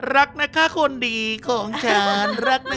รักนะคะคนดีของฉัน